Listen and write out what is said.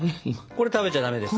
これ食べちゃダメですか？